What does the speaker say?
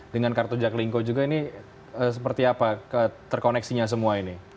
dengan kartu jaklingko juga ini seperti apa terkoneksinya semua ini